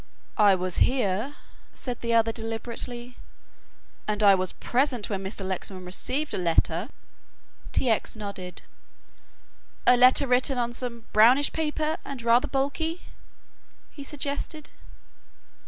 "I was here," said the other, deliberately, "and I was present when Mr. Lexman received a letter." T. X. nodded. "A letter written on some brownish paper and rather bulky," he suggested.